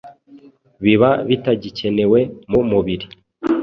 biba bitagikenewe mu mubiri